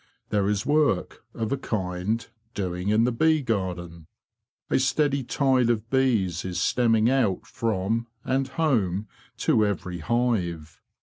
There is work, of a kind, doing in the bee garden. A steady tide of bees is stemming out from and home to every hive.